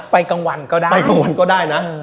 ไปกลางวันก็ได้นะ